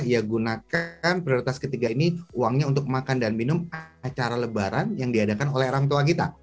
ya gunakan prioritas ketiga ini uangnya untuk makan dan minum acara lebaran yang diadakan oleh orang tua kita